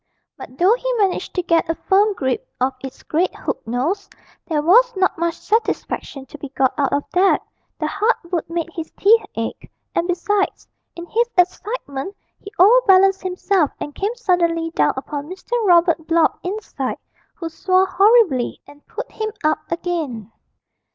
But though he managed to get a firm grip of its great hook nose, there was not much satisfaction to be got out of that the hard wood made his teeth ache, and besides, in his excitement he overbalanced himself and came suddenly down upon Mr. Robert Blott inside, who swore horribly and put him up again.